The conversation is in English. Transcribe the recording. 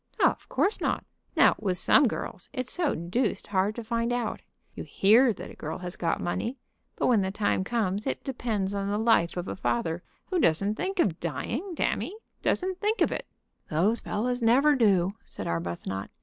"Of course not." "Now, with some girls it's so deuced hard to find out. You hear that a girl has got money, but when the time comes it depends on the life of a father who doesn't think of dying; damme, doesn't think of it." "Those fellows never do," said Arbuthnot.